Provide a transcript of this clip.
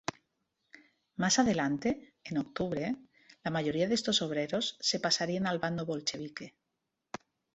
Más adelante, en octubre, la mayoría de estos obreros se pasarían al bando bolchevique.